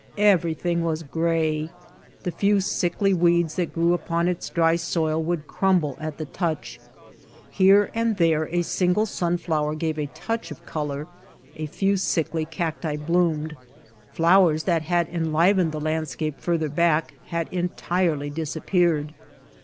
Everything was grey. The few sickly weeds that grew upon its dry soil would crumble at the touch ; here and there a single sunflower gave a touch of color; a few sickly cacti bloomed. Flowers that had enlivened the land scape farther back had entirely disappeared.